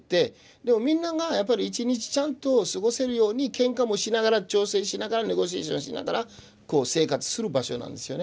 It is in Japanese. でもみんながやっぱり１日ちゃんと過ごせるようにケンカもしながら調整しながらネゴシエーションしながら生活する場所なんですよね。